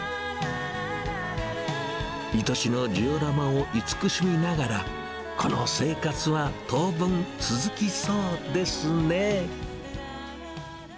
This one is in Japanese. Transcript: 愛しのジオラマを慈しみながら、この生活は当分続きそうですね。